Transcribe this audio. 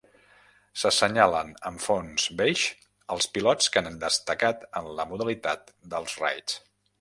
S'assenyalen amb fons beix els pilots que han destacat en la modalitat dels raids.